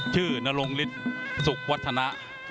นรงฤทธิ์สุขวัฒนะ